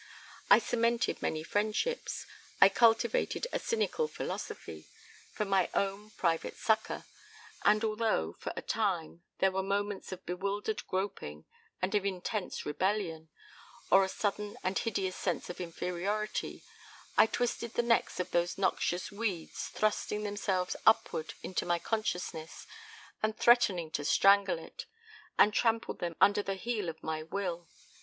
I cemented many friendships, I cultivated a cynical philosophy for my own private succor and although, for a time, there were moments of bewildered groping and of intense rebellion, or a sudden and hideous sense of inferiority, I twisted the necks of those noxious weeds thrusting themselves upward into my consciousness and threatening to strangle it, and trampled them under the heel of my will.